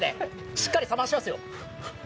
しっかり冷ましますよ。